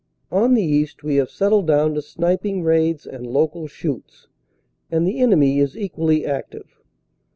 On the east we have settled down to sniping, raids and local shoots, and the enemy is equally active.